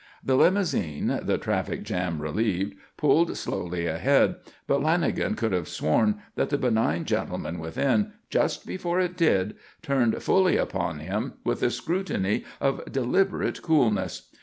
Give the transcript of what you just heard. The limousine, the traffic jam relieved, pulled slowly ahead, but Lanagan could have sworn that the benign gentleman within, just before it did, turned fully upon him with a scrutiny of deliberate coolness.